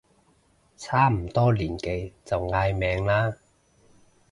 差唔多年紀就嗌名啦